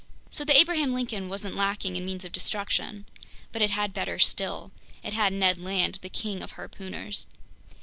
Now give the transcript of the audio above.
So the Abraham Lincoln wasn't lacking in means of destruction. But it had better still. It had Ned Land, the King of Harpooners.